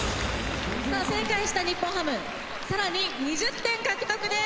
さあ正解した日本ハム更に２０点獲得です。